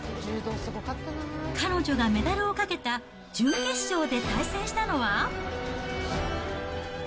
彼女がメダルを懸けた準決勝で対戦したのは。